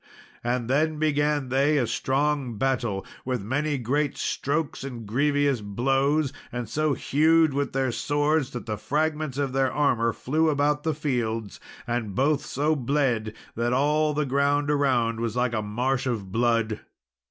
And then began they a strong battle, with many great strokes and grievous blows, and so hewed with their swords that the fragments of their armour flew about the fields, and both so bled that all the ground around was like a marsh of blood.